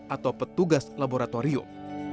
atau petugas laboratorium